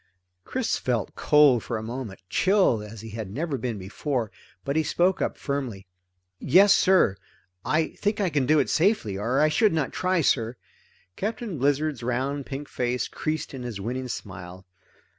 Chris felt cold for a moment, chilled as he had never been before, but he spoke up firmly. "Yes sir. I think I can do it safely, or I should not try, sir." Captain Blizzard's round pink face creased in his winning smile.